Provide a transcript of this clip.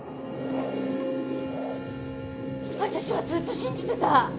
私はずっと信じてた。